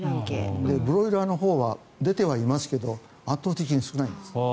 ブロイラーのほうは出てはいますが圧倒的に少ないんです。